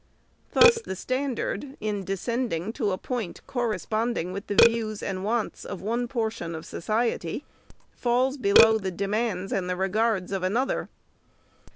Thus the standard, in descending to a point corresponding with the views and wants of one portion of society, falls below the demands and the re gards of another.